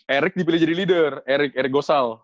erik dipilih jadi leader erik gosal